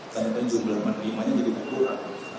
kan itu yang jumlah penerimanya jadi berguna